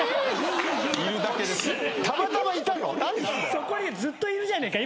そこにずっといるじゃねえか！